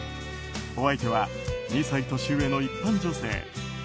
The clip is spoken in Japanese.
お相手は、２歳年上の一般女性。